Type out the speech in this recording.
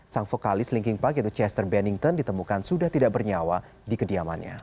sang vokalis linking park yaitu chester bennyton ditemukan sudah tidak bernyawa di kediamannya